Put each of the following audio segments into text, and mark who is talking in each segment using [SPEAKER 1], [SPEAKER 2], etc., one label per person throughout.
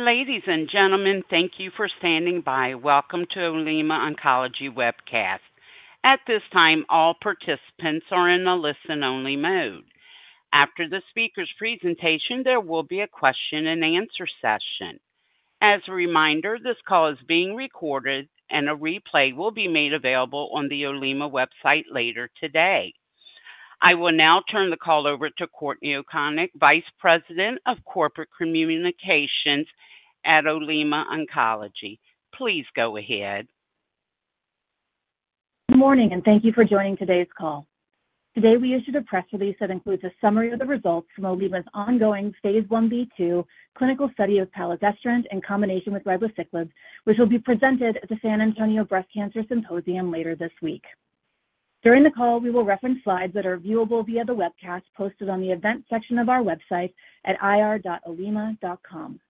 [SPEAKER 1] Ladies and gentlemen, thank you for standing by. Welcome to Olema Oncology webcast. At this time, all participants are in a listen-only mode. After the speaker's presentation, there will be a question-and-answer session. As a reminder, this call is being recorded, and a replay will be made available on the Olema website later today. I will now turn the call over to Courtney O'Konek, Vice President of Corporate Communications at Olema Oncology. Please go ahead.
[SPEAKER 2] Good morning, and thank you for joining today's call. Today, we issued a press release that includes a summary of the results from Olema's ongoing phase Ib/II clinical study of palazestrant in combination with ribociclib, which will be presented at the San Antonio Breast Cancer Symposium later this week. During the call, we will reference slides that are viewable via the webcast posted on the event section of our website at ir.olema.com.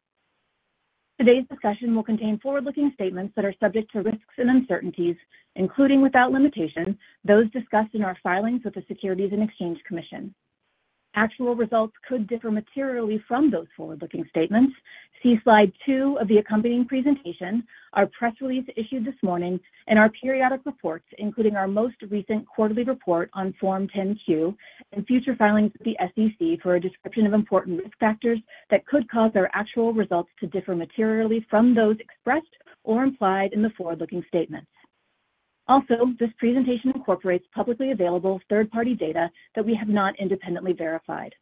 [SPEAKER 2] Today's discussion will contain forward-looking statements that are subject to risks and uncertainties, including without limitation, those discussed in our filings with the Securities and Exchange Commission. Actual results could differ materially from those forward-looking statements. See slide two of the accompanying presentation, our press release issued this morning, and our periodic reports, including our most recent quarterly report on Form 10-Q and future filings with the SEC for a description of important risk factors that could cause our actual results to differ materially from those expressed or implied in the forward-looking statements. Also, this presentation incorporates publicly available third-party data that we have not independently verified.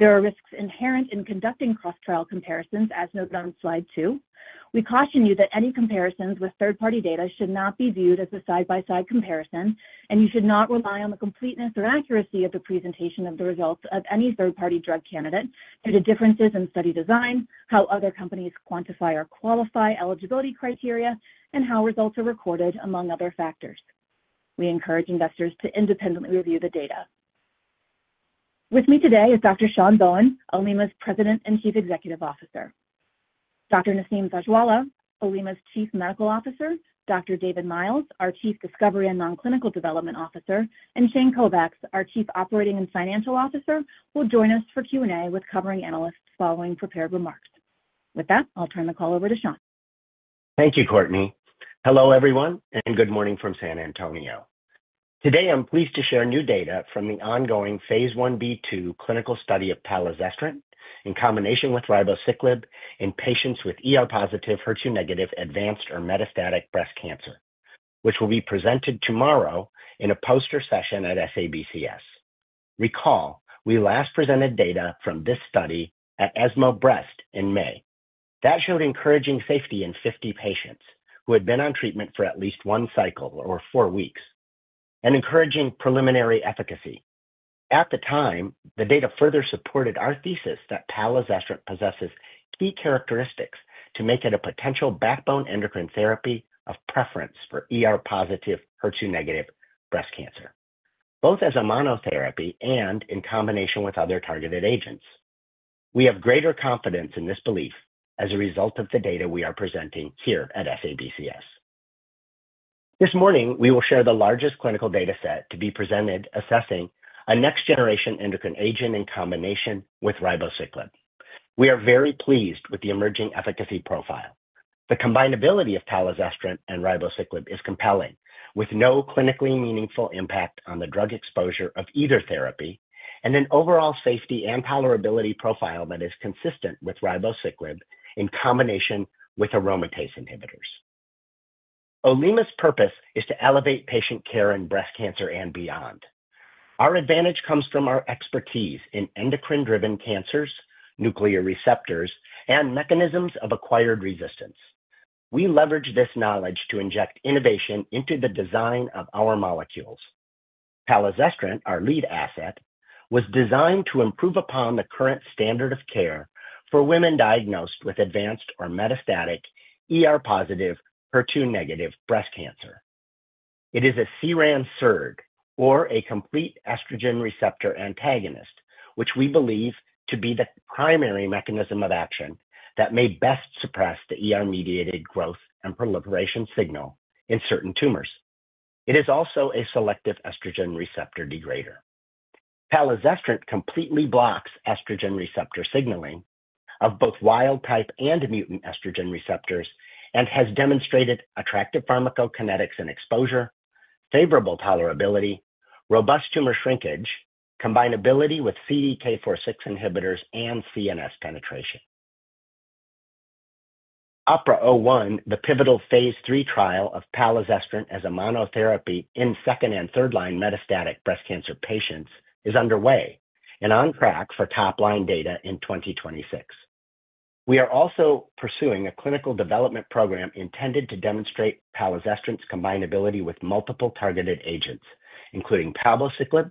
[SPEAKER 2] There are risks inherent in conducting cross-trial comparisons, as noted on slide two. We caution you that any comparisons with third-party data should not be viewed as a side-by-side comparison, and you should not rely on the completeness or accuracy of the presentation of the results of any third-party drug candidate due to differences in study design, how other companies quantify or qualify eligibility criteria, and how results are recorded, among other factors. We encourage investors to independently review the data. With me today is Dr. Sean Bohen, Olema's President and Chief Executive Officer. Dr. Naseem Zojwalla, Olema's Chief Medical Officer, Dr. David Miles, our Chief Discovery and Nonclinical Development Officer, and Shane Kovacs, our Chief Operating and Financial Officer, will join us for Q&A with covering analysts following prepared remarks. With that, I'll turn the call over to Sean.
[SPEAKER 3] Thank you, Courtney. Hello, everyone, and good morning from San Antonio. Today, I'm pleased to share new data from the ongoing phase Ib/II clinical study of palazestrant in combination with ribociclib in patients with ER+/HER2-, advanced, or metastatic breast cancer, which will be presented tomorrow in a poster session at SABCS. Recall, we last presented data from this study at ESMO Breast in May. That showed encouraging safety in 50 patients who had been on treatment for at least one cycle or four weeks and encouraging preliminary efficacy. At the time, the data further supported our thesis that palazestrant possesses key characteristics to make it a potential backbone endocrine therapy of preference for ER+/HER2- breast cancer, both as a monotherapy and in combination with other targeted agents. We have greater confidence in this belief as a result of the data we are presenting here at SABCS. This morning, we will share the largest clinical data set to be presented assessing a next-generation endocrine agent in combination with ribociclib. We are very pleased with the emerging efficacy profile. The combinability of palazestrant and ribociclib is compelling, with no clinically meaningful impact on the drug exposure of either therapy and an overall safety and tolerability profile that is consistent with ribociclib in combination with aromatase inhibitors. Olema's purpose is to elevate patient care in breast cancer and beyond. Our advantage comes from our expertise in endocrine-driven cancers, nuclear receptors, and mechanisms of acquired resistance. We leverage this knowledge to inject innovation into the design of our molecules. Palazestrant, our lead asset, was designed to improve upon the current standard of care for women diagnosed with advanced or metastatic ER+/HER2- breast cancer. It is a CERAN/SERD, or a Complete Estrogen Receptor Antagonist, which we believe to be the primary mechanism of action that may best suppress the ER-mediated growth and proliferation signal in certain tumors. It is also a selective estrogen receptor degrader. Palazestrant completely blocks estrogen receptor signaling of both wild-type and mutant estrogen receptors and has demonstrated attractive pharmacokinetics in exposure, favorable tolerability, robust tumor shrinkage, combinability with CDK4/6 inhibitors, and CNS penetration. OPERA-01, the pivotal phase III trial of palazestrant as a monotherapy in second and third-line metastatic breast cancer patients, is underway and on track for top-line data in 2026. We are also pursuing a clinical development program intended to demonstrate palazestrant's combinability with multiple targeted agents, including palbociclib,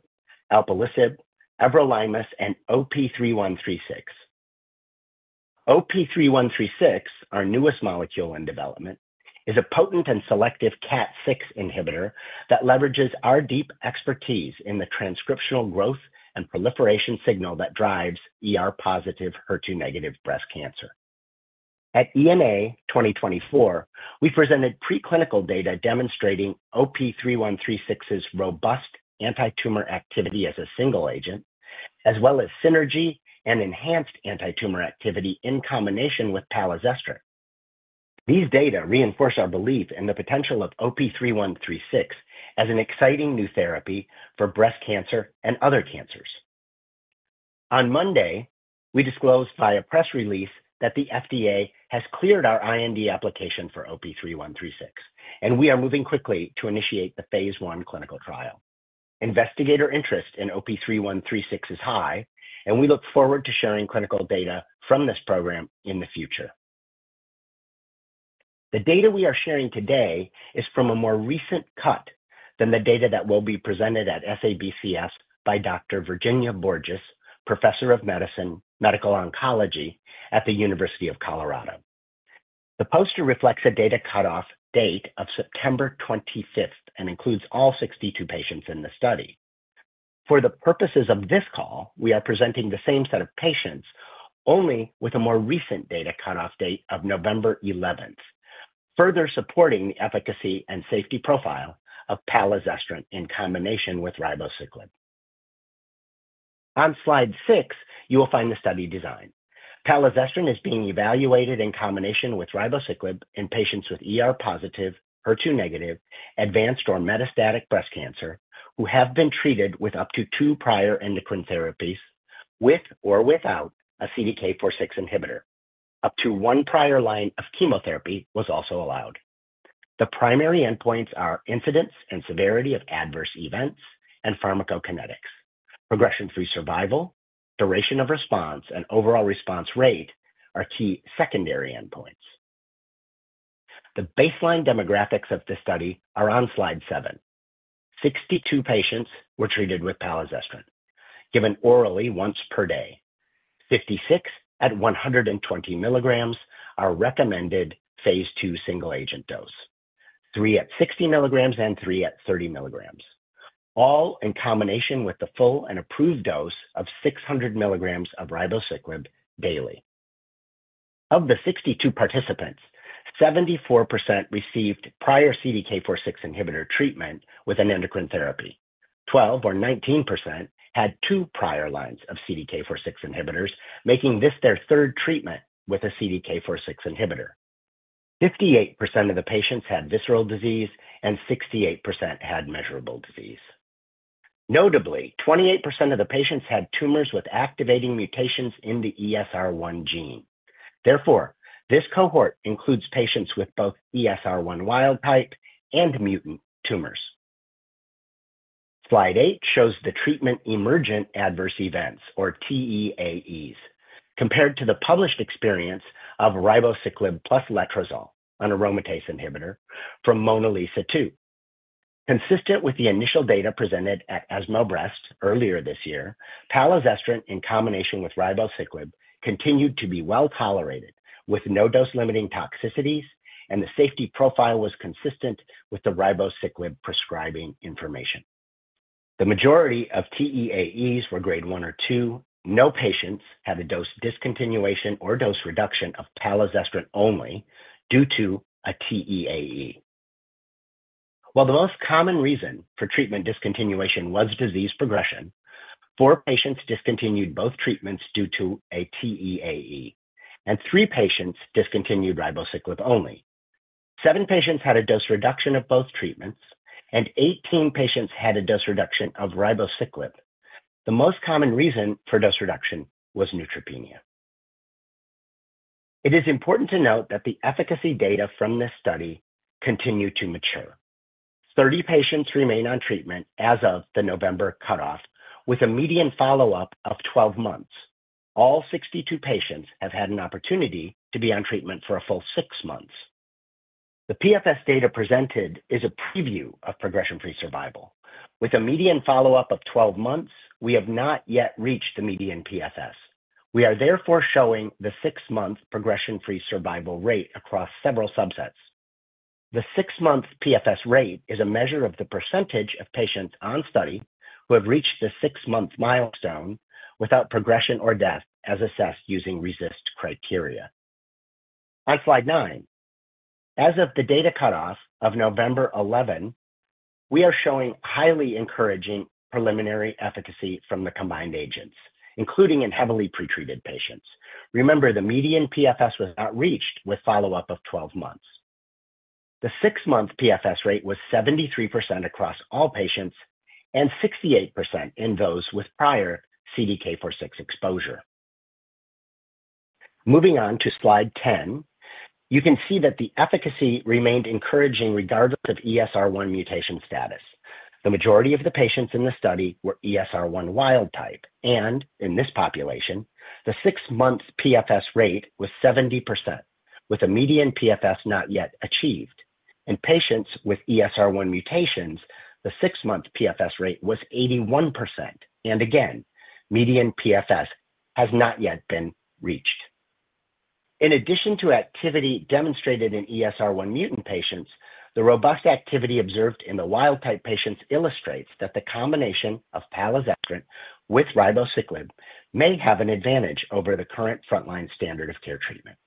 [SPEAKER 3] alpelisib, everolimus, and OP-3136. OP-3136, our newest molecule in development, is a potent and selective KAT6 inhibitor that leverages our deep expertise in the transcriptional growth and proliferation signal that drives ER+/HER2- breast cancer. At ENA 2024, we presented preclinical data demonstrating OP-3136's robust antitumor activity as a single agent, as well as synergy and enhanced antitumor activity in combination with palazestrant. These data reinforce our belief in the potential of OP-3136 as an exciting new therapy for breast cancer and other cancers. On Monday, we disclosed via press release that the FDA has cleared our IND application for OP-3136, and we are moving quickly to initiate the phase I clinical trial. Investigator interest in OP-3136 is high, and we look forward to sharing clinical data from this program in the future. The data we are sharing today is from a more recent cut than the data that will be presented at SABCS by Dr. Virginia Borges, Professor of Medicine, Medical Oncology at the University of Colorado. The poster reflects a data cutoff date of September 25th and includes all 62 patients in the study. For the purposes of this call, we are presenting the same set of patients, only with a more recent data cutoff date of November 11th, further supporting the efficacy and safety profile of palazestrant in combination with ribociclib. On slide 6, you will find the study design. Palazestrant is being evaluated in combination with ribociclib in patients with ER+/HER2-, advanced or metastatic breast cancer who have been treated with up to two prior endocrine therapies, with or without a CDK4/6 inhibitor. Up to one prior line of chemotherapy was also allowed. The primary endpoints are incidence and severity of adverse events and pharmacokinetics. Progression-free survival, duration of response, and overall response rate are key secondary endpoints. The baseline demographics of the study are on slide 7. 62 patients were treated with palazestrant, given orally once per day. 56 at 120 milligrams are recommended phase 2 single-agent dose, three at 60 milligrams and three at 30 milligrams, all in combination with the full and approved dose of 600 milligrams of ribociclib daily. Of the 62 participants, 74% received prior CDK4/6 inhibitor treatment with an endocrine therapy. 12 or 19% had two prior lines of CDK4/6 inhibitors, making this their third treatment with a CDK4/6 inhibitor. 58% of the patients had visceral disease, and 68% had measurable disease. Notably, 28% of the patients had tumors with activating mutations in the ESR1 gene. Therefore, this cohort includes patients with both ESR1 wild-type and mutant tumors. Slide 8 shows the treatment emergent adverse events, or TEAEs, compared to the published experience of ribociclib plus letrozole, an aromatase inhibitor, from MONALEESA-2. Consistent with the initial data presented at ESMO Breast earlier this year, palazestrant in combination with ribociclib continued to be well tolerated with no dose-limiting toxicities, and the safety profile was consistent with the ribociclib prescribing information. The majority of TEAEs were grade 1 or 2. No patients had a dose discontinuation or dose reduction of palazestrant only due to a TEAE. While the most common reason for treatment discontinuation was disease progression, four patients discontinued both treatments due to a TEAE, and three patients discontinued ribociclib only. Seven patients had a dose reduction of both treatments, and 18 patients had a dose reduction of ribociclib. The most common reason for dose reduction was neutropenia. It is important to note that the efficacy data from this study continue to mature. 30 patients remain on treatment as of the November cutoff, with a median follow-up of 12 months. All 62 patients have had an opportunity to be on treatment for a full six months. The PFS data presented is a preview of progression-free survival. With a median follow-up of 12 months, we have not yet reached the median PFS. We are therefore showing the six-month progression-free survival rate across several subsets. The six-month PFS rate is a measure of the percentage of patients on study who have reached the six-month milestone without progression or death as assessed using RECIST criteria. On slide 9, as of the data cutoff of November 11, we are showing highly encouraging preliminary efficacy from the combined agents, including in heavily pretreated patients. Remember, the median PFS was not reached with follow-up of 12 months. The six-month PFS rate was 73% across all patients and 68% in those with prior CDK4/6 exposure. Moving on to slide 10, you can see that the efficacy remained encouraging regardless of ESR1 mutation status. The majority of the patients in the study were ESR1 wild-type, and in this population, the six-month PFS rate was 70%, with a median PFS not yet achieved. In patients with ESR1 mutations, the six-month PFS rate was 81%, and again, median PFS has not yet been reached. In addition to activity demonstrated in ESR1 mutant patients, the robust activity observed in the wild-type patients illustrates that the combination of palazestrant with ribociclib may have an advantage over the current front-line standard of care treatment.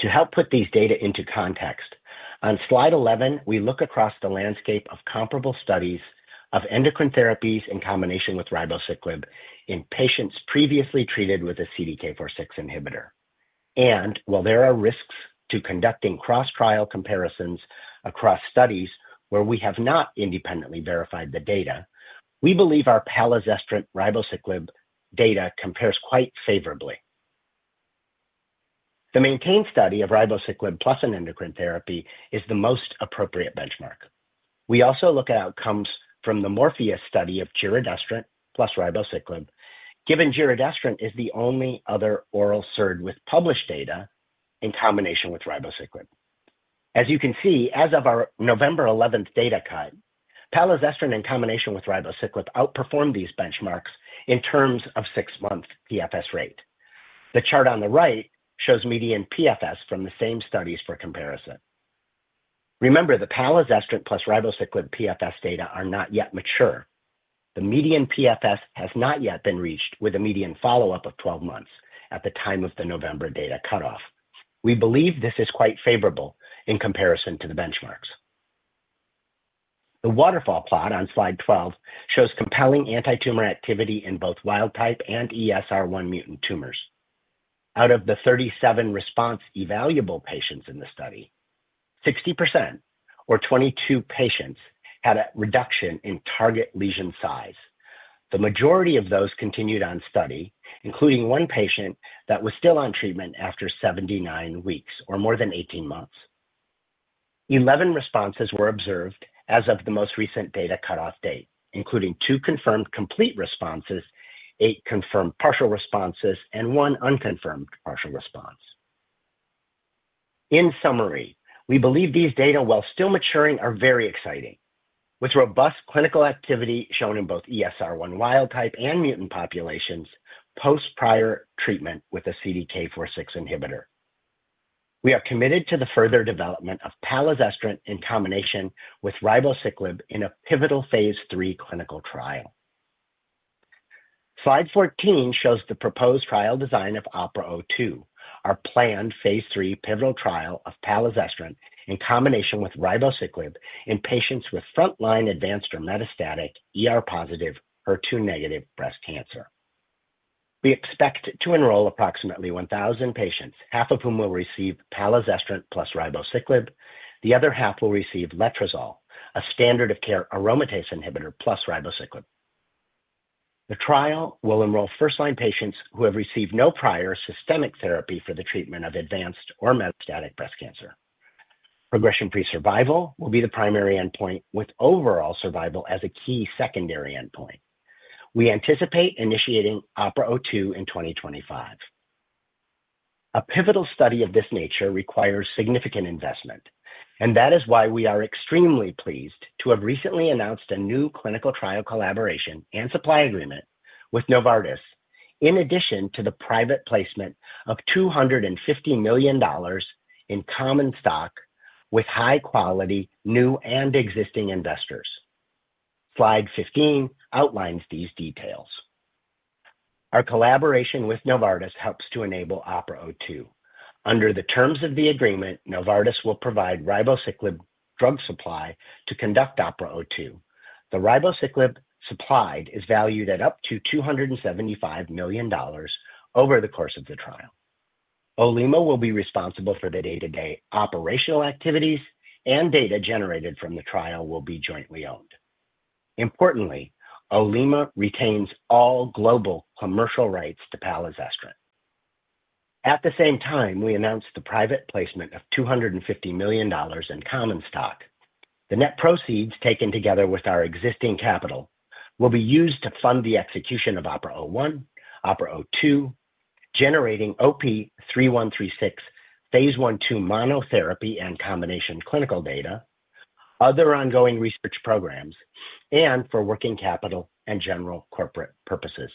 [SPEAKER 3] To help put these data into context, on slide 11, we look across the landscape of comparable studies of endocrine therapies in combination with ribociclib in patients previously treated with a CDK4/6 inhibitor. And while there are risks to conducting cross-trial comparisons across studies where we have not independently verified the data, we believe our palazestrant-ribociclib data compares quite favorably. The MAINTAIN study of ribociclib plus an endocrine therapy is the most appropriate benchmark. We also look at outcomes from the MORPHEUS study of giredestrant plus ribociclib, given giredestrant is the only other oral SERD with published data in combination with ribociclib. As you can see, as of our November 11 data cut, palazestrant in combination with ribociclib outperformed these benchmarks in terms of six-month PFS rate. The chart on the right shows median PFS from the same studies for comparison. Remember, the palazestrant plus ribociclib PFS data are not yet mature. The median PFS has not yet been reached with a median follow-up of 12 months at the time of the November data cutoff. We believe this is quite favorable in comparison to the benchmarks. The waterfall plot on slide 12 shows compelling antitumor activity in both wild-type and ESR1 mutant tumors. Out of the 37 response evaluable patients in the study, 60%, or 22 patients, had a reduction in target lesion size. The majority of those continued on study, including one patient that was still on treatment after 79 weeks, or more than 18 months. 11 responses were observed as of the most recent data cutoff date, including two confirmed complete responses, eight confirmed partial responses, and one unconfirmed partial response. In summary, we believe these data, while still maturing, are very exciting, with robust clinical activity shown in both ESR1 wild-type and mutant populations post prior treatment with a CDK4/6 inhibitor. We are committed to the further development of palazestrant in combination with ribociclib in a pivotal phase III clinical trial. Slide 14 shows the proposed trial design of OPERA-02, our planned phase III pivotal trial of palazestrant in combination with ribociclib in patients with front-line advanced or metastatic ER+/HER2- breast cancer. We expect to enroll approximately 1,000 patients, half of whom will receive palazestrant plus ribociclib. The other half will receive letrozole, a standard of care aromatase inhibitor plus ribociclib. The trial will enroll first-line patients who have received no prior systemic therapy for the treatment of advanced or metastatic breast cancer. Progression-free survival will be the primary endpoint, with overall survival as a key secondary endpoint. We anticipate initiating OPERA-02 in 2025. A pivotal study of this nature requires significant investment, and that is why we are extremely pleased to have recently announced a new clinical trial collaboration and supply agreement with Novartis, in addition to the private placement of $250 million in common stock with high-quality new and existing investors. Slide 15 outlines these details. Our collaboration with Novartis helps to enable OPERA-02. Under the terms of the agreement, Novartis will provide ribociclib drug supply to conduct OPERA-02. The ribociclib supplied is valued at up to $275 million over the course of the trial. Olema will be responsible for the day-to-day operational activities, and data generated from the trial will be jointly owned. Importantly, Olema retains all global commercial rights to palazestrant. At the same time, we announced the private placement of $250 million in common stock. The net proceeds, taken together with our existing capital, will be used to fund the execution of OPERA-01, OPERA-02, generating OP-3136 phase I/II monotherapy and combination clinical data, other ongoing research programs, and for working capital and general corporate purposes.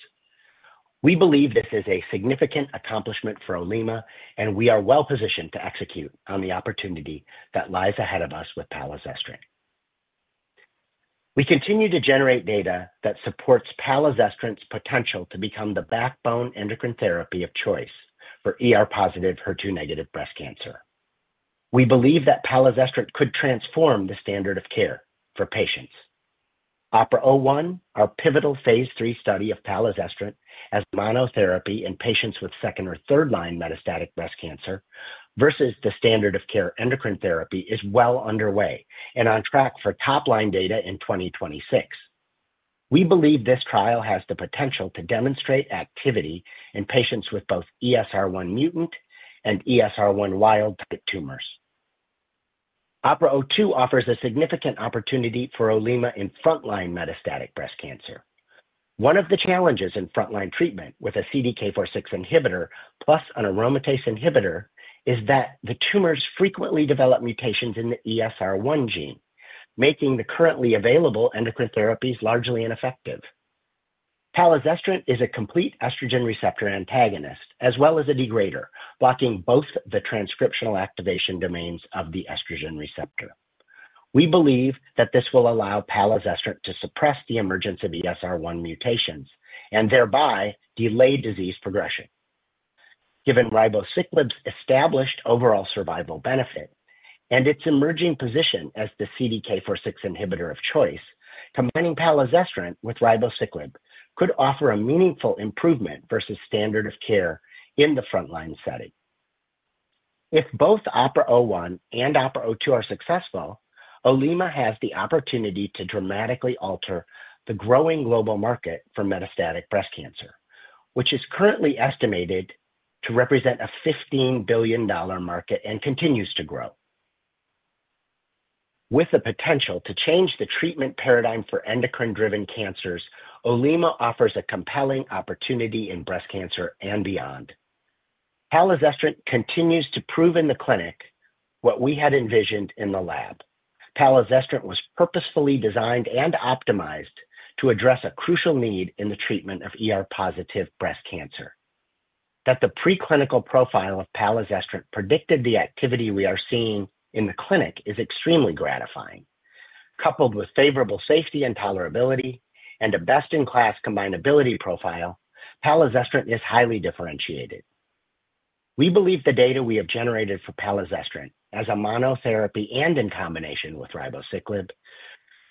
[SPEAKER 3] We believe this is a significant accomplishment for Olema, and we are well positioned to execute on the opportunity that lies ahead of us with palazestrant. We continue to generate data that supports palazestrant's potential to become the backbone endocrine therapy of choice for ER+/HER2- breast cancer. We believe that palazestrant could transform the standard of care for patients. OPERA-01, our pivotal phase III study of palazestrant as monotherapy in patients with second or third-line metastatic breast cancer versus the standard of care endocrine therapy, is well underway and on track for top-line data in 2026. We believe this trial has the potential to demonstrate activity in patients with both ESR1 mutant and ESR1 wild-type tumors. OPERA-02 offers a significant opportunity for Olema in front-line metastatic breast cancer. One of the challenges in front-line treatment with a CDK4/6 inhibitor plus an aromatase inhibitor is that the tumors frequently develop mutations in the ESR1 gene, making the currently available endocrine therapies largely ineffective. Palazestrant is a complete estrogen receptor antagonist, as well as a degrader, blocking both the transcriptional activation domains of the estrogen receptor. We believe that this will allow palazestrant to suppress the emergence of ESR1 mutations and thereby delay disease progression. Given ribociclib's established overall survival benefit and its emerging position as the CDK4/6 inhibitor of choice, combining palazestrant with ribociclib could offer a meaningful improvement versus standard of care in the front-line setting. If both OPERA-01 and OPERA-02 are successful, Olema has the opportunity to dramatically alter the growing global market for metastatic breast cancer, which is currently estimated to represent a $15 billion market and continues to grow. With the potential to change the treatment paradigm for endocrine-driven cancers, Olema offers a compelling opportunity in breast cancer and beyond. Palazestrant continues to prove in the clinic what we had envisioned in the lab. Palazestrant was purposefully designed and optimized to address a crucial need in the treatment of ER+ breast cancer. That the preclinical profile of palazestrant predicted the activity we are seeing in the clinic is extremely gratifying. Coupled with favorable safety and tolerability and a best-in-class combinability profile, palazestrant is highly differentiated. We believe the data we have generated for palazestrant, as a monotherapy and in combination with ribociclib,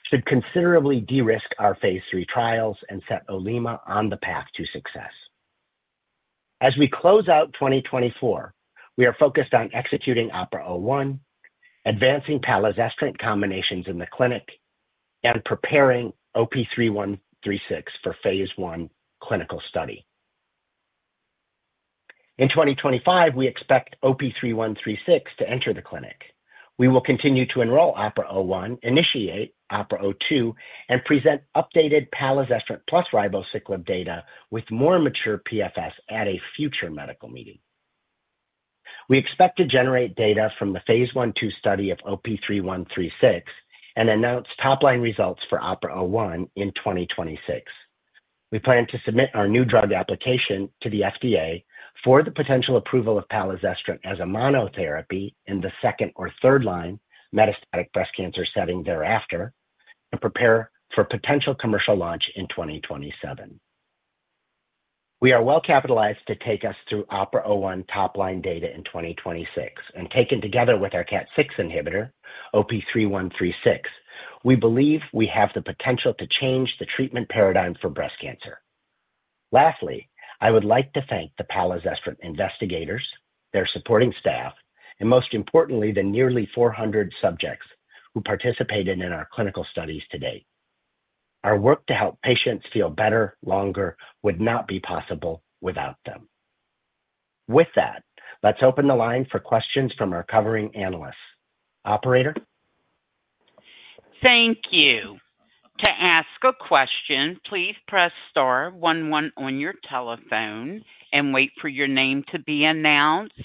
[SPEAKER 3] should considerably de-risk our phase III trials and set Olema on the path to success. As we close out 2024, we are focused on executing OPERA-01, advancing palazestrant combinations in the clinic, and preparing OP-3136 for phase I clinical study. In 2025, we expect OP-3136 to enter the clinic. We will continue to enroll OPERA-01, initiate OPERA-02, and present updated palazestrant plus ribociclib data with more mature PFS at a future medical meeting. We expect to generate data from the phase I/II study of OP-3136 and announce top-line results for OPERA-01 in 2026. We plan to submit our new drug application to the FDA for the potential approval of palazestrant as a monotherapy in the second-line or third-line metastatic breast cancer setting thereafter and prepare for potential commercial launch in 2027. We are well capitalized to take us through OPERA-01 top-line data in 2026, and taken together with our KAT6 inhibitor, OP-3136, we believe we have the potential to change the treatment paradigm for breast cancer. Lastly, I would like to thank the palazestrant investigators, their supporting staff, and most importantly, the nearly 400 subjects who participated in our clinical studies today. Our work to help patients feel better longer would not be possible without them. With that, let's open the line for questions from our covering analysts. Operator?
[SPEAKER 1] Thank you. To ask a question, please press star one one on your telephone and wait for your name to be announced.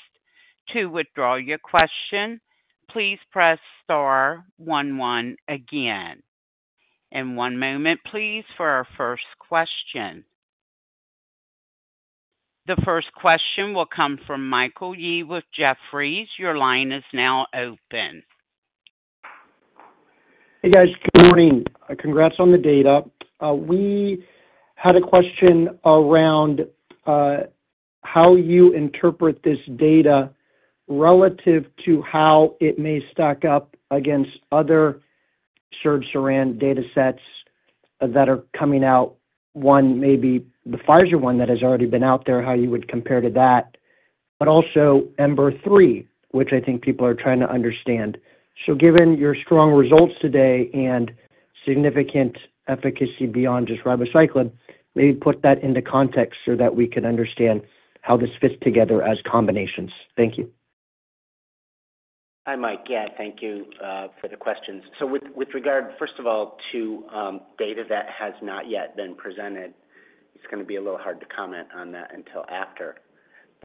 [SPEAKER 1] To withdraw your question, please press star one one again. And one moment, please, for our first question. The first question will come from Michael Yee with Jefferies. Your line is now open.
[SPEAKER 4] Hey, guys. Good morning. Congrats on the data. We had a question around how you interpret this data relative to how it may stack up against other CERAN/SERD data sets that are coming out, one maybe the Pfizer one that has already been out there, how you would compare to that, but also EMBER-3, which I think people are trying to understand. So given your strong results today and significant efficacy beyond just ribociclib, maybe put that into context so that we can understand how this fits together as combinations. Thank you.
[SPEAKER 3] Hi, Mike. Yeah, thank you for the questions. So with regard, first of all, to data that has not yet been presented, it's going to be a little hard to comment on that until after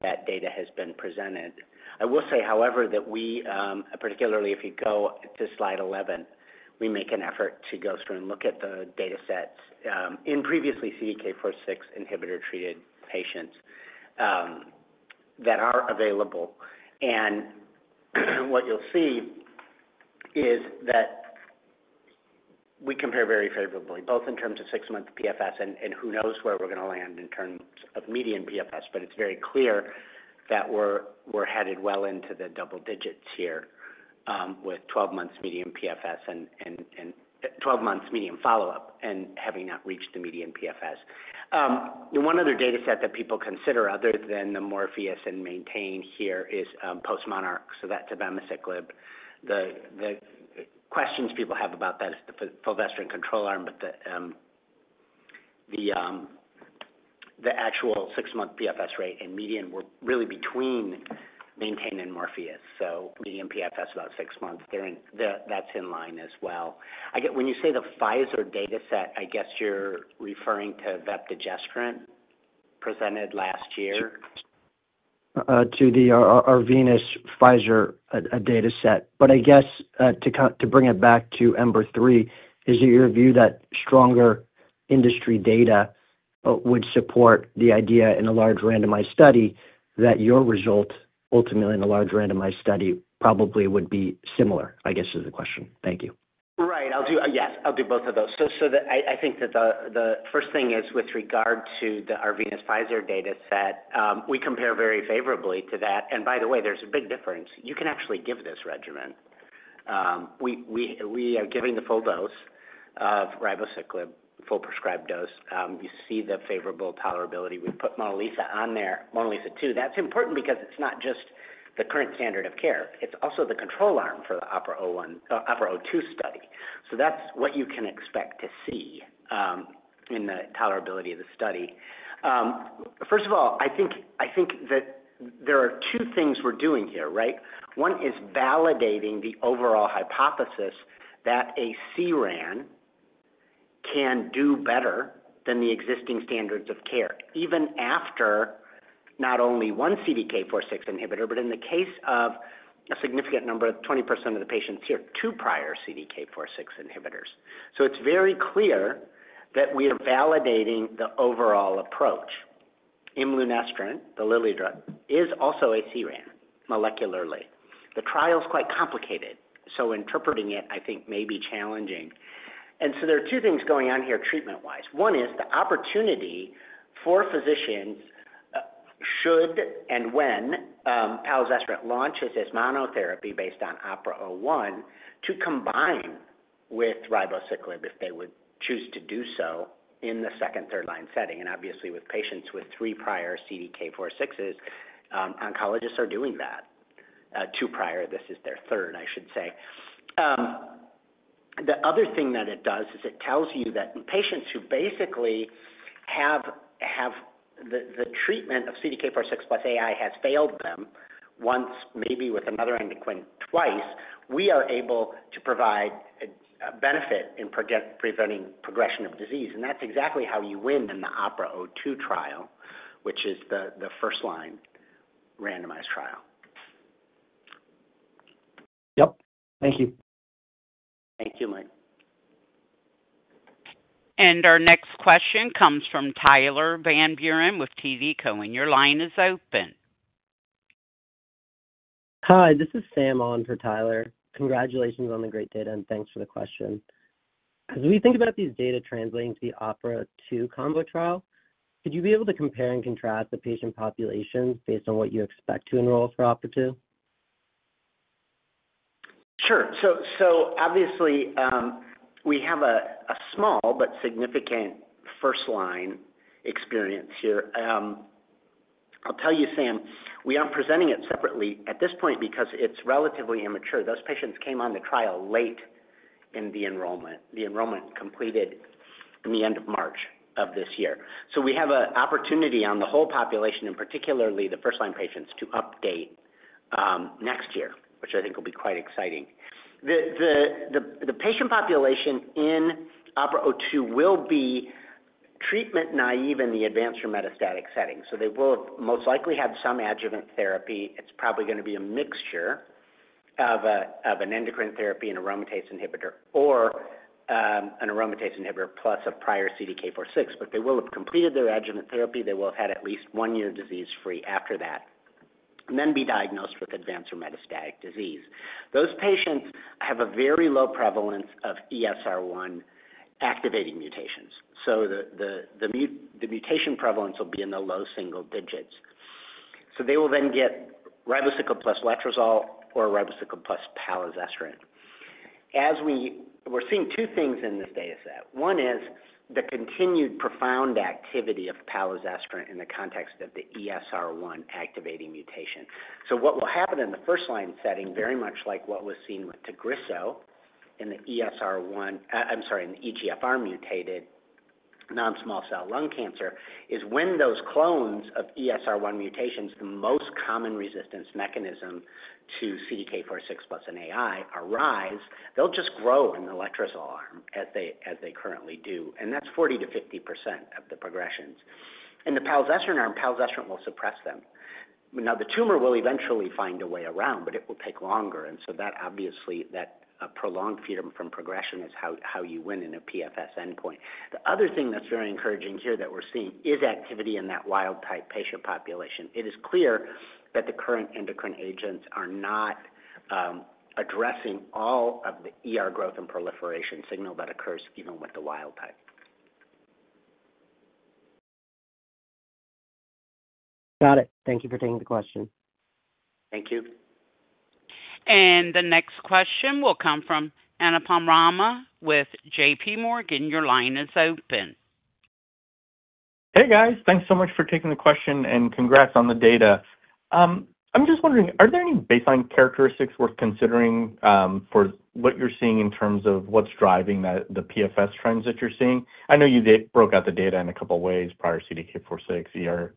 [SPEAKER 3] that data has been presented. I will say, however, that we, particularly if you go to slide 11, we make an effort to go through and look at the data sets in previously CDK4/6 inhibitor-treated patients that are available, and what you'll see is that we compare very favorably, both in terms of six-month PFS and who knows where we're going to land in terms of median PFS, but it's very clear that we're headed well into the double digits here with 12-months median PFS and 12-months median follow-up and having not reached the median PFS. One other data set that people consider, other than the MORPHEUS and MAINTAIN here, is postMONARCH. So that's abemaciclib. The questions people have about that is the fulvestrant control arm, but the actual six-month PFS rate and median were really between MAINTAIN and MORPHEUS. So median PFS about six months, that's in line as well. When you say the Pfizer data set, I guess you're referring to vepdegestrant presented last year?
[SPEAKER 4] To the Arvinas Pfizer data set. But I guess to bring it back to EMBER-3, is it your view that stronger industry data would support the idea in a large randomized study that your result, ultimately in a large randomized study, probably would be similar, I guess, is the question. Thank you.
[SPEAKER 3] Right. Yes, I'll do both of those. So I think that the first thing is with regard to the Arvinas Pfizer data set, we compare very favorably to that. And by the way, there's a big difference. You can actually give this regimen. We are giving the full dose of ribociclib, full prescribed dose. You see the favorable tolerability. We put MONALEESA-2 on there, MONALEESA-2. That's important because it's not just the current standard of care. It's also the control arm for the OPERA-02 study. So that's what you can expect to see in the tolerability of the study. First of all, I think that there are two things we're doing here, right? One is validating the overall hypothesis that a CERAN can do better than the existing standards of care, even after not only one CDK4/6 inhibitor, but in the case of a significant number of 20% of the patients here, two prior CDK4/6 inhibitors. So it's very clear that we are validating the overall approach. Imlunestrant, the Lilly drug, is also a SERD molecularly. The trial is quite complicated. So interpreting it, I think, may be challenging. And so there are two things going on here treatment-wise. One is the opportunity for physicians should and when palazestrant launches as monotherapy based on OPERA-01 to combine with ribociclib if they would choose to do so in the second, third-line setting. And obviously, with patients with three prior CDK4/6s, oncologists are doing that. Two prior, this is their third, I should say. The other thing that it does is it tells you that patients who basically have the treatment of CDK4/6 plus AI has failed them once, maybe with another endocrine twice, we are able to provide a benefit in preventing progression of disease. And that's exactly how you win in the OPERA-02 trial, which is the first-line randomized trial.
[SPEAKER 4] Yep. Thank you.
[SPEAKER 3] Thank you, Mike.
[SPEAKER 1] And our next question comes from Tyler Van Buren with TD Cowen. And your line is open. Hi, this is Sam on for Tyler. Congratulations on the great data, and thanks for the question. As we think about these data translating to the OPERA-02 combo trial, could you be able to compare and contrast the patient populations based on what you expect to enroll for OPERA-02?
[SPEAKER 3] Sure. So obviously, we have a small but significant first-line experience here. I'll tell you, Sam, we aren't presenting it separately at this point because it's relatively immature. Those patients came on the trial late in the enrollment. The enrollment completed in the end of March of this year. So we have an opportunity on the whole population, and particularly the first-line patients, to update next year, which I think will be quite exciting. The patient population in OPERA-02 will be treatment naive in the advanced or metastatic setting. So they will most likely have some adjuvant therapy. It's probably going to be a mixture of an endocrine therapy and aromatase inhibitor or an aromatase inhibitor plus a prior CDK4/6, but they will have completed their adjuvant therapy. They will have had at least one year disease-free after that, and then be diagnosed with advanced or metastatic disease. Those patients have a very low prevalence of ESR1 activating mutations. So the mutation prevalence will be in the low single digits. So they will then get ribociclib plus letrozole or ribociclib plus palazestrant. We're seeing two things in this data set. One is the continued profound activity of palazestrant in the context of the ESR1 activating mutation. What will happen in the first-line setting, very much like what was seen with Tagrisso in the ESR1, I'm sorry, in the EGFR-mutated non-small cell lung cancer, is when those clones of ESR1 mutations, the most common resistance mechanism to CDK4/6 plus an AI, arise, they'll just grow in the letrozole arm as they currently do. And that's 40%-50% of the progressions. In the palazestrant arm, palazestrant will suppress them. Now, the tumor will eventually find a way around, but it will take longer. And so obviously, that prolonged freedom from progression is how you win in a PFS endpoint. The other thing that's very encouraging here that we're seeing is activity in that wild-type patient population. It is clear that the current endocrine agents are not addressing all of the growth and proliferation signal that occurs even with the wild-type. Got it. Thank you for taking the question. Thank you.
[SPEAKER 1] And the next question will come from Anupam Rama with J.P. Morgan. Your line is open.
[SPEAKER 5] Hey, guys. Thanks so much for taking the question, and congrats on the data. I'm just wondering, are there any baseline characteristics worth considering for what you're seeing in terms of what's driving the PFS trends that you're seeing? I know you broke out the data in a couple of ways: prior CDK4/6,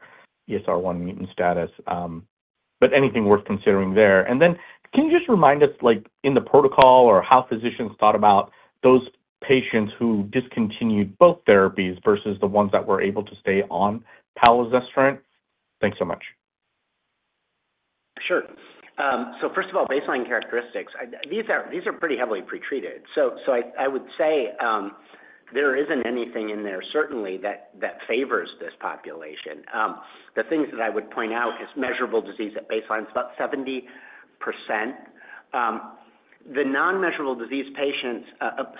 [SPEAKER 5] ESR1 mutant status, but anything worth considering there? And then can you just remind us in the protocol or how physicians thought about those patients who discontinued both therapies versus the ones that were able to stay on palazestrant? Thanks so much.
[SPEAKER 3] Sure. So first of all, baseline characteristics. These are pretty heavily pretreated. So I would say there isn't anything in there certainly that favors this population. The things that I would point out is measurable disease at baseline is about 70%. The non-measurable disease patients,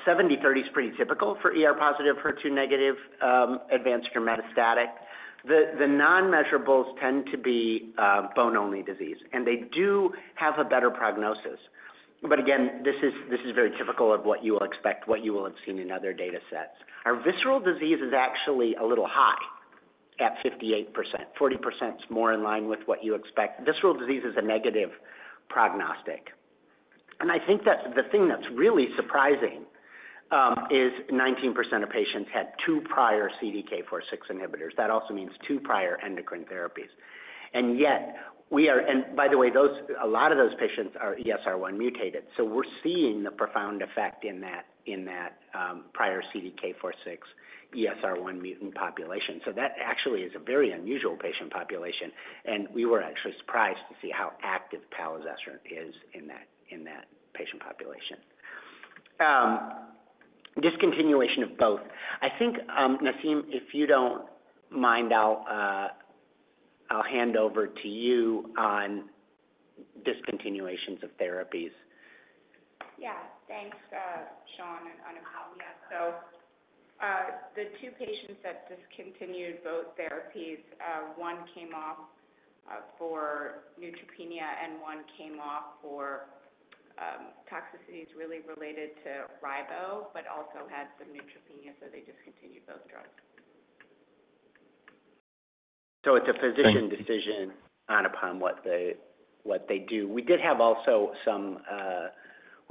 [SPEAKER 3] 70%/30% is pretty typical for positive, HER2 negative, advanced or metastatic. The non-measurables tend to be bone-only disease, and they do have a better prognosis. But again, this is very typical of what you will expect, what you will have seen in other data sets. Our visceral disease is actually a little high at 58%. 40% is more in line with what you expect. Visceral disease is a negative prognostic. And I think that the thing that's really surprising is 19% of patients had two prior CDK4/6 inhibitors. That also means two prior endocrine therapies. And yet, we are, and by the way, a lot of those patients are ESR1 mutated. So we're seeing the profound effect in that prior CDK4/6 ESR1 mutant population. That actually is a very unusual patient population. We were actually surprised to see how active palazestrant is in that patient population. Discontinuation of both. I think, Naseem, if you don't mind, I'll hand over to you on discontinuations of therapies.
[SPEAKER 6] Yeah. Thanks, Sean and Anupam. So the two patients that discontinued both therapies, one came off for neutropenia and one came off for toxicities really related to ribo, but also had some neutropenia, so they discontinued both drugs.
[SPEAKER 3] So it's a physician decision upon what they do. We did have also some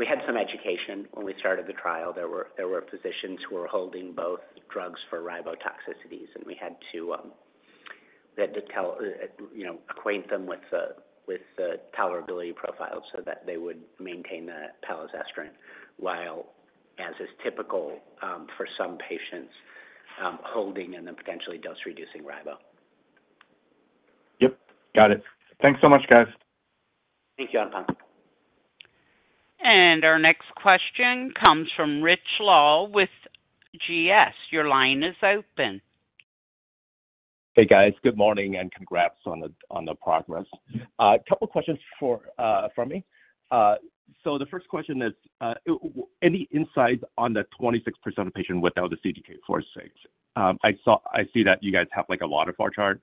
[SPEAKER 3] education when we started the trial. There were physicians who were holding both drugs for ribo toxicities, and we had to acquaint them with the tolerability profile so that they would maintain the palazestrant while, as is typical for some patients, holding and then potentially dose-reducing ribo.
[SPEAKER 5] Yep. Got it. Thanks so much, guys.
[SPEAKER 3] Thank you, Anupam.
[SPEAKER 1] And our next question comes from Rich Law with Goldman Sachs. Your line is open.
[SPEAKER 7] Hey, guys. Good morning and congrats on the progress. A couple of questions for me. So the first question is, any insight on the 26% of patients without the CDK4/6? I see that you guys have a waterfall chart,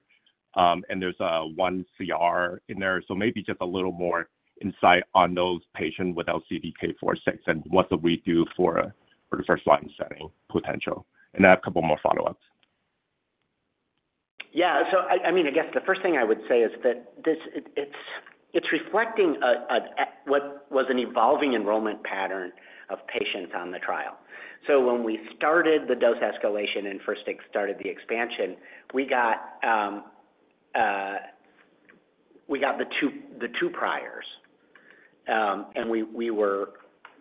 [SPEAKER 7] and there's one CR in there. So maybe just a little more insight on those patients without CDK4/6 and what do we do for the first-line setting potential? And I have a couple more follow-ups.
[SPEAKER 3] Yeah. So I mean, I guess the first thing I would say is that it's reflecting what was an evolving enrollment pattern of patients on the trial. So when we started the dose escalation and first started the expansion, we got the two priors. We were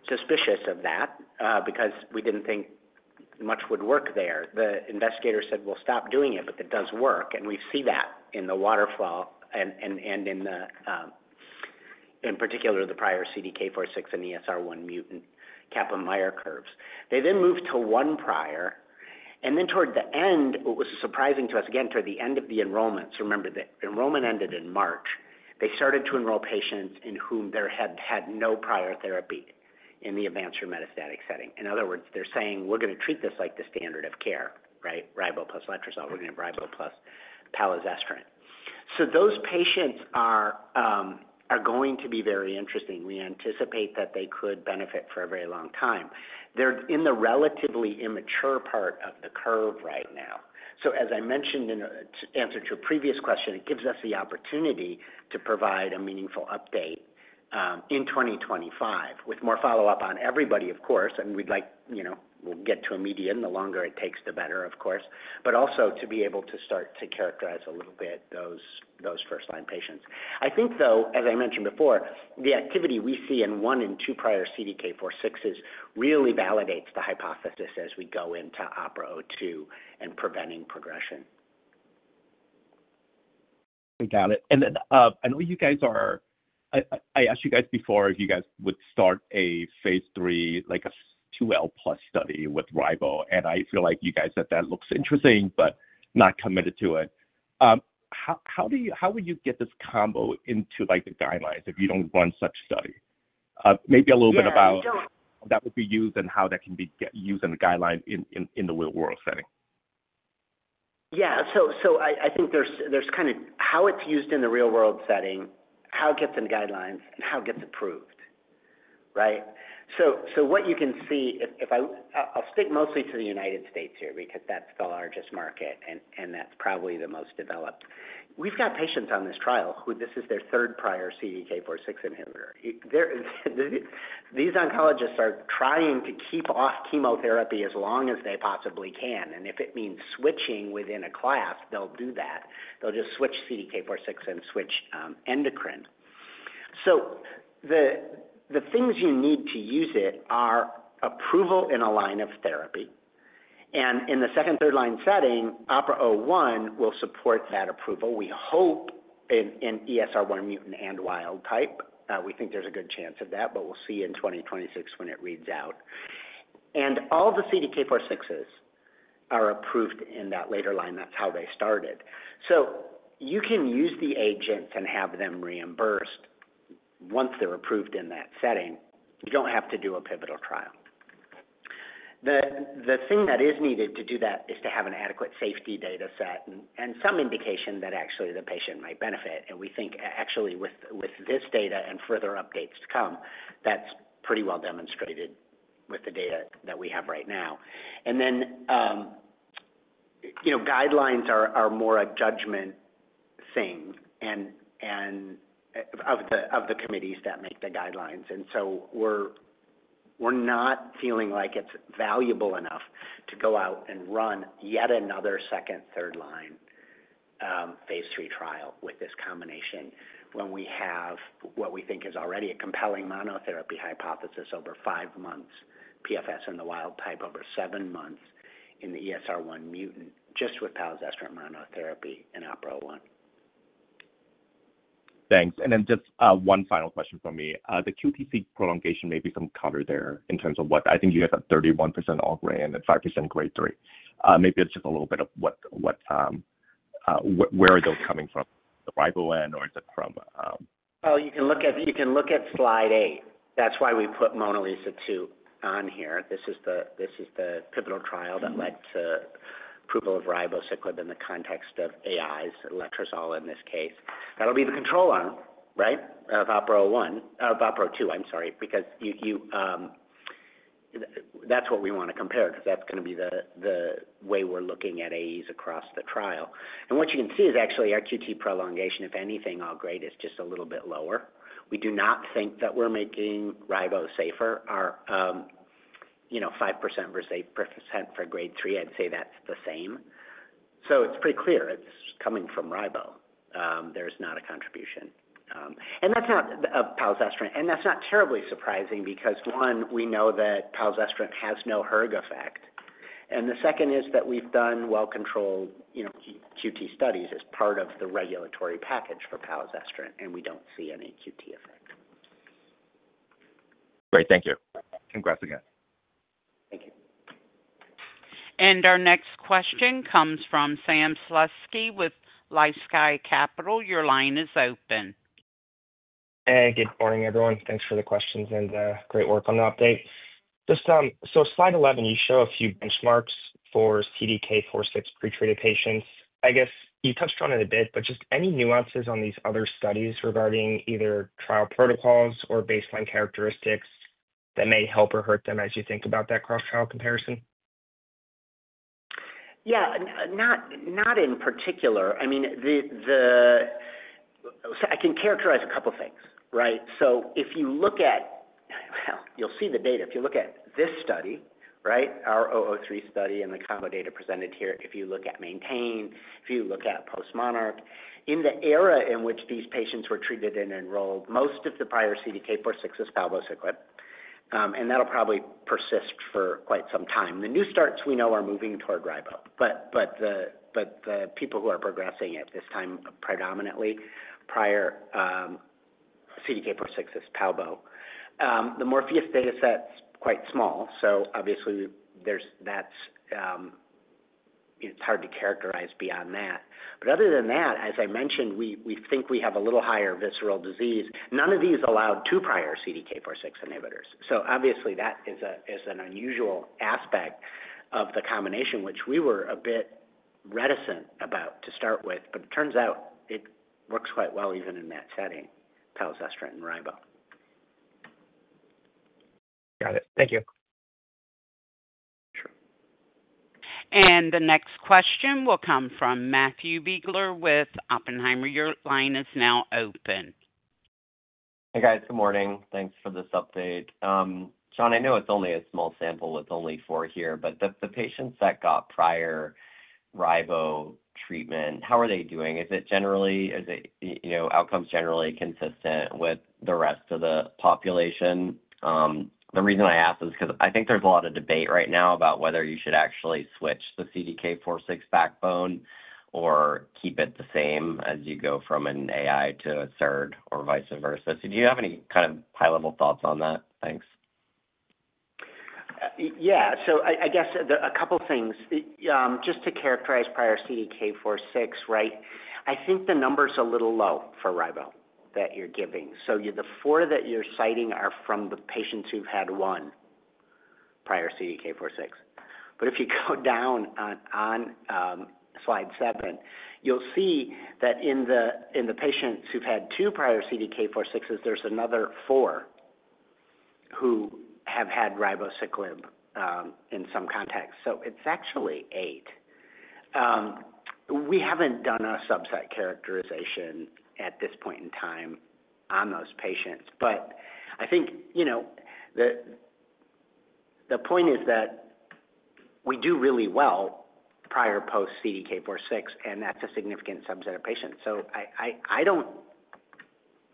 [SPEAKER 3] suspicious of that because we didn't think much would work there. The investigator said, "We'll stop doing it, but it does work." We see that in the waterfall and in particular the prior CDK4/6 and ESR1 mutant Kaplan-Meier curves. They then moved to one prior. Then toward the end, it was surprising to us, again, toward the end of the enrollments. Remember, the enrollment ended in March. They started to enroll patients in whom there had no prior therapy in the advanced or metastatic setting. In other words, they're saying, "We're going to treat this like the standard of care, right? Ribo plus letrozole. We're going to have ribo plus palazestrant." So those patients are going to be very interesting. We anticipate that they could benefit for a very long time. They're in the relatively immature part of the curve right now. As I mentioned in answer to a previous question, it gives us the opportunity to provide a meaningful update in 2025 with more follow-up on everybody, of course. And we'd like—we'll get to a median. The longer it takes, the better, of course. But also to be able to start to characterize a little bit those first-line patients. I think, though, as I mentioned before, the activity we see in one and two prior CDK4/6s really validates the hypothesis as we go into OPERA-02 and preventing progression.
[SPEAKER 7] I got it. And I know you guys are—I asked you guys before if you guys would start a phase III, like a 2L plus study with ribo. And I feel like you guys said that looks interesting but not committed to it. How would you get this combo into the guidelines if you don't run such a study? Maybe a little bit about how that would be used and how that can be used in the guideline in the real-world setting.
[SPEAKER 3] Yeah. So I think there's kind of how it's used in the real-world setting, how it gets in guidelines, and how it gets approved, right? So what you can see, I'll stick mostly to the United States here because that's the largest market, and that's probably the most developed. We've got patients on this trial who this is their third prior CDK4/6 inhibitor. These oncologists are trying to keep off chemotherapy as long as they possibly can, and if it means switching within a class, they'll do that. They'll just switch CDK4/6 and switch endocrine. So the things you need to use it are approval in a line of therapy. In the second, third-line setting, OPERA-01 will support that approval, we hope, in ESR1 mutant and wild type. We think there's a good chance of that, but we'll see in 2026 when it reads out. All the CDK4/6s are approved in that later line. That's how they started. So you can use the agents and have them reimbursed once they're approved in that setting. You don't have to do a pivotal trial. The thing that is needed to do that is to have an adequate safety data set and some indication that actually the patient might benefit. We think actually with this data and further updates to come, that's pretty well demonstrated with the data that we have right now. Then guidelines are more a judgment thing of the committees that make the guidelines. We're not feeling like it's valuable enough to go out and run yet another second, third-line phase three trial with this combination when we have what we think is already a compelling monotherapy hypothesis over five months PFS in the wild-type over seven months in the ESR1 mutant just with palazestrant monotherapy in OPERA-01.
[SPEAKER 7] Thanks. Then just one final question from me. The QTc prolongation, maybe some color there in terms of what I think you guys have 31% all-grade and 5% grade 3. Maybe it's just a little bit of where are those coming from? The ribo end or is it from?
[SPEAKER 3] Well, you can look at slide eight. That's why we put MONALEESA-2 on here. This is the pivotal trial that led to approval of ribociclib in the context of AIs, letrozole in this case. That'll be the control arm, right, of OPERA-01 of OPERA-02, I'm sorry, because that's what we want to compare because that's going to be the way we're looking at AEs across the trial. What you can see is actually our QTc prolongation, if anything, all grades is just a little bit lower. We do not think that we're making ribo safer. Our 5% versus 8% for grade 3, I'd say that's the same. It's pretty clear it's coming from ribo. There's not a contribution. That's not of palazestrant. That's not terribly surprising because, one, we know that palazestrant has no hERG effect. The second is that we've done well-controlled QT studies as part of the regulatory package for palazestrant, and we don't see any QT effect.
[SPEAKER 7] Great. Thank you. Congrats again.
[SPEAKER 3] Thank you.
[SPEAKER 1] Our next question comes from Sam Slutsky with LifeSci Capital. Your line is open.
[SPEAKER 8] Hey, good morning, everyone. Thanks for the questions and great work on the update. So slide 11, you show a few benchmarks for CDK4/6 pretreated patients. I guess you touched on it a bit, but just any nuances on these other studies regarding either trial protocols or baseline characteristics that may help or hurt them as you think about that cross-trial comparison?
[SPEAKER 3] Yeah. Not in particular. I mean, I can characterize a couple of things, right? So if you look at, well, you'll see the data. If you look at this study, right, our 003 study and the combo data presented here, if you look at MAINTAIN, if you look at postMONARCH, in the era in which these patients were treated and enrolled, most of the prior CDK4/6 is palbociclib, and that'll probably persist for quite some time. The new starts we know are moving toward ribo, but the people who are progressing at this time predominantly prior CDK4/6 is palbociclib. The Morpheus data set's quite small, so obviously that's. It's hard to characterize beyond that. But other than that, as I mentioned, we think we have a little higher visceral disease. None of these allowed two prior CDK4/6 inhibitors. So obviously, that is an unusual aspect of the combination, which we were a bit reticent about to start with. But it turns out it works quite well even in that setting, palazestrant and ribo.
[SPEAKER 8] Got it. Thank you. Sure.
[SPEAKER 1] And the next question will come from Matthew Biegler with Oppenheimer. Your line is now open.
[SPEAKER 9] Hey, guys. Good morning. Thanks for this update. Sean, I know it's only a small sample. It's only four here. But the patients that got prior ribo treatment, how are they doing? Is it generally—are the outcomes generally consistent with the rest of the population? The reason I ask is because I think there's a lot of debate right now about whether you should actually switch the CDK4/6 backbone or keep it the same as you go from an AI to a SERD or vice versa. So do you have any kind of high-level thoughts on that? Thanks.
[SPEAKER 3] Yeah. So I guess a couple of things. Just to characterize prior CDK4/6, right, I think the number's a little low for ribo that you're giving. So the four that you're citing are from the patients who've had one prior CDK4/6. But if you go down on slide seven, you'll see that in the patients who've had two prior CDK4/6s, there's another four who have had ribociclib in some context. So it's actually eight. We haven't done a subset characterization at this point in time on those patients, but I think the point is that we do really well prior post-CDK4/6, and that's a significant subset of patients, so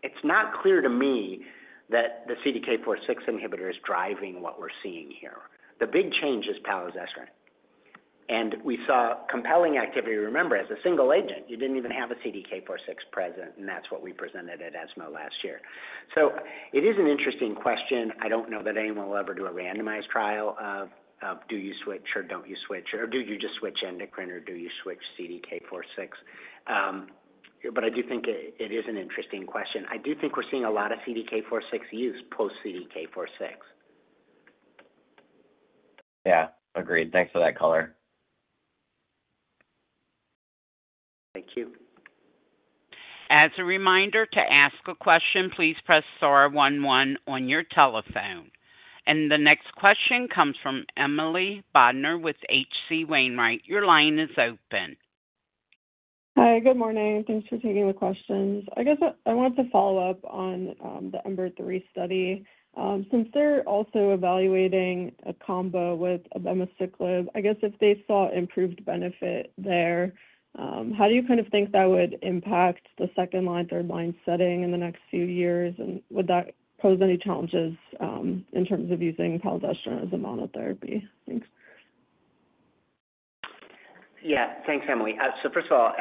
[SPEAKER 3] it's not clear to me that the CDK4/6 inhibitor is driving what we're seeing here. The big change is palazestrant, and we saw compelling activity, remember, as a single agent. You didn't even have a CDK4/6 present, and that's what we presented at ESMO last year, so it is an interesting question. I don't know that anyone will ever do a randomized trial of, "Do you switch or don't you switch?" or, "Do you just switch endocrine or do you switch CDK4/6?", but I do think it is an interesting question. I do think we're seeing a lot of CDK4/6 use post-CDK4/6.
[SPEAKER 9] Yeah. Agreed. Thanks for that color.
[SPEAKER 3] Thank you.
[SPEAKER 1] As a reminder to ask a question, please press star one one on your telephone. And the next question comes from Emily Bodnar with H.C. Wainwright. Your line is open.
[SPEAKER 10] Hi. Good morning. Thanks for taking the questions. I guess I wanted to follow up on the EMBER-3 study. Since they're also evaluating a combo with abemaciclib, I guess if they saw improved benefit there, how do you kind of think that would impact the second-line, third-line setting in the next few years? And would that pose any challenges in terms of using palazestrant as a monotherapy? Thanks.
[SPEAKER 3] Yeah. Thanks, Emily. So first of all,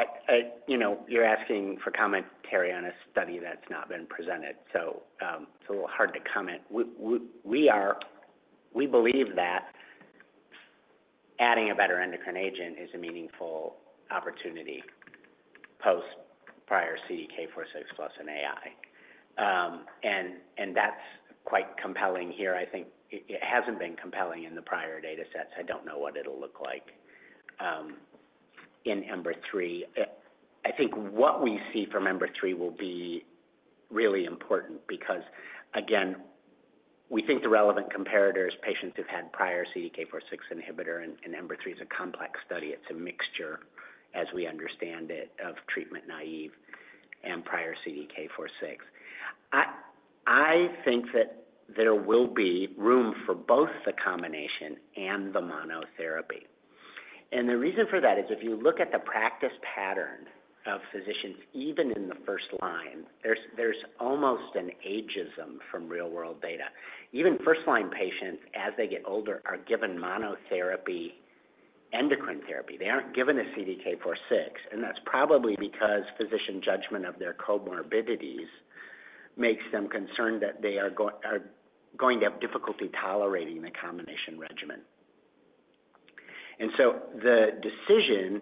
[SPEAKER 3] you're asking for commentary on a study that's not been presented. So it's a little hard to comment. We believe that adding a better endocrine agent is a meaningful opportunity post-prior CDK4/6 plus an AI. And that's quite compelling here. I think it hasn't been compelling in the prior data sets. I don't know what it'll look like in EMBER-3. I think what we see from EMBER-3 will be really important because, again, we think the relevant comparators, patients who've had prior CDK4/6 inhibitor, and EMBER-3 is a complex study. It's a mixture, as we understand it, of treatment naive and prior CDK4/6. I think that there will be room for both the combination and the monotherapy. And the reason for that is if you look at the practice pattern of physicians, even in the first line, there's almost an ageism from real-world data. Even first-line patients, as they get older, are given monotherapy, endocrine therapy. They aren't given a CDK4/6, and that's probably because physician judgment of their comorbidities makes them concerned that they are going to have difficulty tolerating the combination regimen. And so the decision,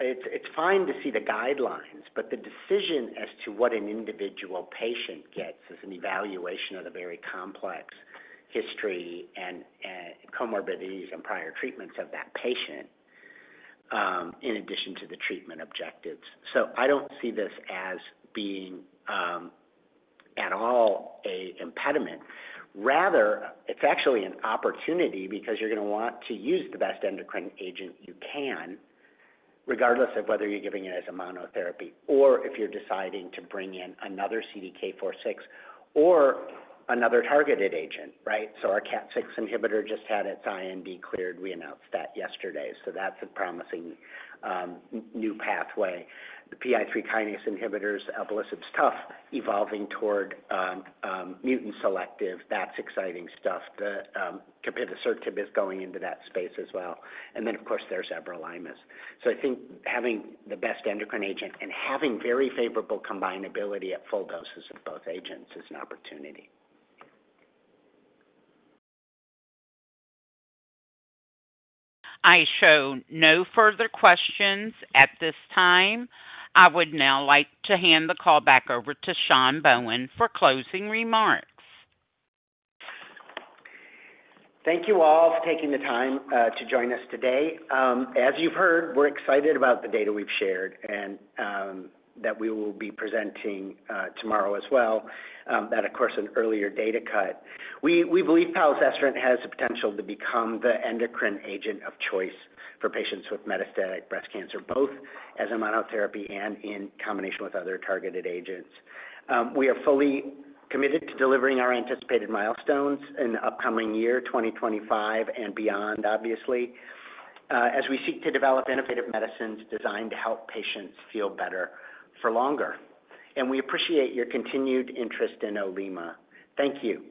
[SPEAKER 3] it's fine to see the guidelines, but the decision as to what an individual patient gets is an evaluation of the very complex history and comorbidities and prior treatments of that patient in addition to the treatment objectives. So I don't see this as being at all an impediment. Rather, it's actually an opportunity because you're going to want to use the best endocrine agent you can, regardless of whether you're giving it as a monotherapy or if you're deciding to bring in another CDK4/6 or another targeted agent, right? So our KAT6 inhibitor just had its IND cleared. We announced that yesterday. So that's a promising new pathway. The PI3 kinase inhibitors, alpelisib's tough, evolving toward mutant selective. That's exciting stuff. The capivasertib is going into that space as well. And then, of course, there's everolimus. So I think having the best endocrine agent and having very favorable combinability at full doses of both agents is an opportunity.
[SPEAKER 1] I show no further questions at this time. I would now like to hand the call back over to Sean Bohen for closing remarks.
[SPEAKER 3] Thank you all for taking the time to join us today. As you've heard, we're excited about the data we've shared and that we will be presenting tomorrow as well. That, of course, an earlier data cut. We believe palazestrant has the potential to become the endocrine agent of choice for patients with metastatic breast cancer, both as a monotherapy and in combination with other targeted agents. We are fully committed to delivering our anticipated milestones in the upcoming year, 2025 and beyond, obviously, as we seek to develop innovative medicines designed to help patients feel better for longer. And we appreciate your continued interest in Olema. Thank you.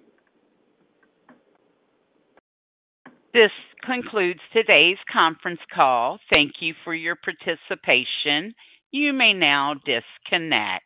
[SPEAKER 1] This concludes today's conference call. Thank you for your participation. You may now disconnect.